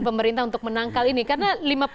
pemerintah untuk menangkal ini karena